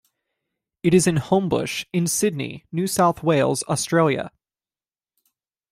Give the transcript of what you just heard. It is in Homebush, in Sydney, New South Wales, Australia.